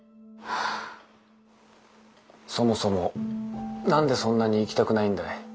そもそも何でそんなに行きたくないんだい？